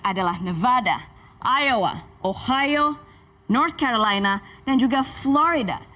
adalah nevada iowa ohio north carolina dan juga florida